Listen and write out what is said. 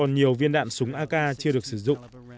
những phiến đạn súng ak chưa được sử dụng